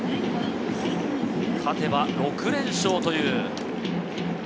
勝てば６連勝という。